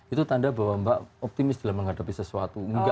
itu tanda bahwa mbak optimis dalam menghadapi sesuatu